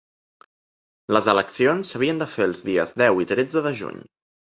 Les eleccions s’havien de fer els dies deu i tretze de juny.